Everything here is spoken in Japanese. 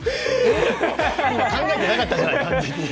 考えてなかったじゃない完全に。